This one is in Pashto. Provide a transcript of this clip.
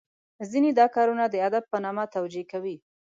ځینې دا کارونه د ادب په نامه توجه کوي .